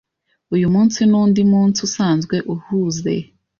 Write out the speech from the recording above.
Uyu munsi ni undi munsi usanzwe uhuze.